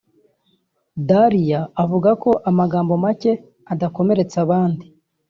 Dalia avuga amagambo make adakomeretsa abandi